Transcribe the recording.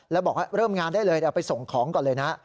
แล้วบอกว่าเริ่มงานได้เลยเดี๋ยวไปส่งของก่อนเลยนะ